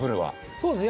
そうですね